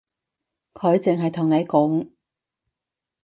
佢淨係同你講